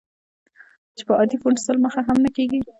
چې په عادي فونټ سل مخه هم نه کېږي.